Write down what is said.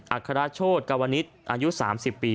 อัฆราชโชธกาวนิสอายุ๓๐ปี